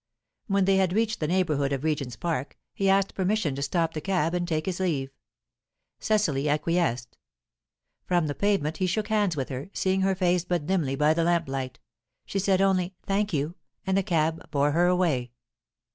When they had reached the neighbourhood of Regent's Park, he asked permission to stop the cab and take his leave; Cecily acquiesced. From the pavement he shook hands with her, seeing her face but dimly by the lamplight; she said only "Thank you," and the cab bore her away.